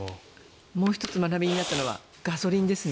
もう１つ学びになったのはガソリンですね。